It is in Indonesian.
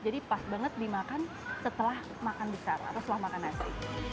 jadi pas banget dimakan setelah makan besar atau setelah makan nasi